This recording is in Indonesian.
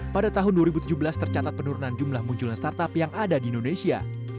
pada tahun dua ribu tujuh belas tercatat penurunan jumlah munculnya startup yang ada di indonesia